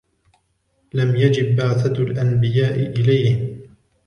لَمْ يَجِبْ بَعْثَةُ الْأَنْبِيَاءِ إلَيْهِمْ